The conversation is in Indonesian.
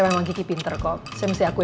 emang kiki pinter kok